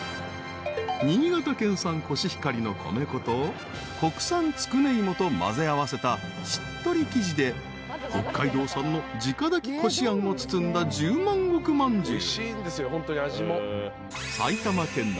［新潟県産コシヒカリの米粉と国産つくね芋と混ぜ合わせたしっとり生地で北海道産の自家炊きこしあんを包んだ十万石まんじゅう］